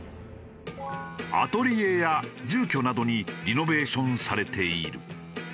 アトリエや住居などにリノベーションされている。